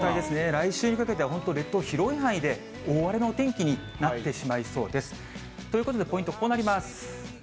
来週にかけては本当、列島、広い範囲で大荒れのお天気になってしまいそうです。ということでポイント、こうなります。